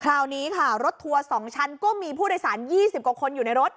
คราวนี้ค่ะรถทัวร์๒ชั้นก็มีผู้โดยสาร๒๐กว่าคนอยู่ในรถ